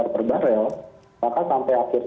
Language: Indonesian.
per barel maka sampai akhir